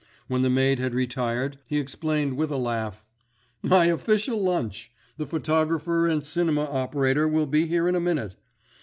When the maid had retired he explained with a laugh: "My official lunch, the photographer and cinema operator will be here in a minute.